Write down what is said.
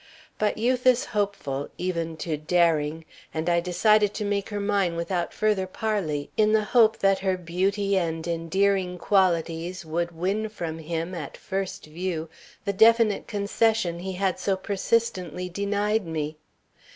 But youth is hopeful, even to daring, and I decided to make her mine without further parley, in the hope that her beauty and endearing qualities would win from him, at first view, the definite concession he had so persistently denied me.